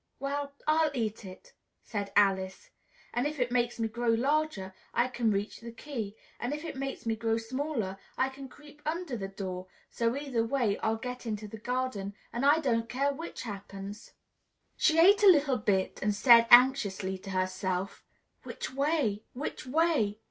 "Well, I'll eat it," said Alice, "and if it makes me grow larger, I can reach the key; and if it makes me grow smaller, I can creep under the door: so either way I'll get into the garden, and I don't care which happens!" She ate a little bit and said anxiously to herself, "Which way? Which way?"